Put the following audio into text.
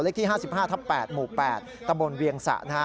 เลขที่๕๕ทับ๘หมู่๘ตำรวจเวียงศะ